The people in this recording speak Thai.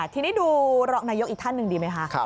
ทีนี้ดูรองนายกอีกท่านหนึ่งดีไหมคะ